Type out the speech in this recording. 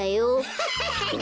ハハハハハ！